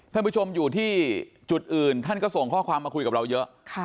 ท่านผู้ชมอยู่ที่จุดอื่นท่านก็ส่งข้อความมาคุยกับเราเยอะ